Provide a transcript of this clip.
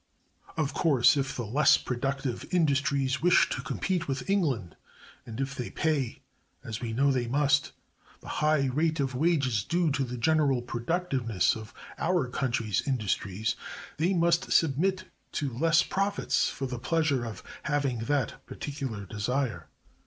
Of course, if the less productive industries wish to compete with England, and if they pay—as we know they must—the high rate of wages due to the general productiveness of our country's industries, they must submit to less profits for the pleasure of having that particular desire.